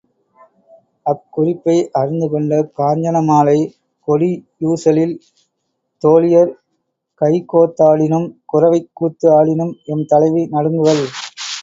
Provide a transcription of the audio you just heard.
அக் குறிப்பை அறிந்து கொண்ட காஞ்சனமாலை கொடியூசலில் தோழியர் கைகோத்தாடினும் குரவைக் கூத்து ஆடினும் எம் தலைவி நடுங்குவள்.